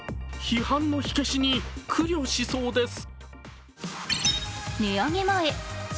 批判の火消しに苦慮しそうです。